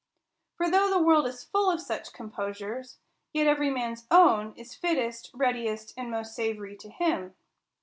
For though the world is full of such composures, yet every man's own is fittest, readiest, and most savory to him.